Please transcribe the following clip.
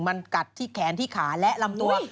มันกัดที่แขนที่ขาและลำตัว